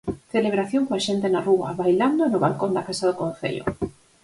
Celebración coa xente na rúa, bailando e no balcón da Casa do Concello.